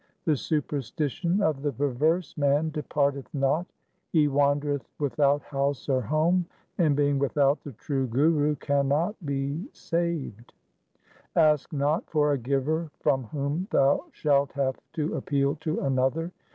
The superstition of the perverse man departeth not. He 1 XV. SIKH. IV s 258 THE SIKH RELIGION wandereth without house or home, and, being without the true Guru, cannot be saved. 1 Ask not for a giver from whom thou shalt have to appeal to another.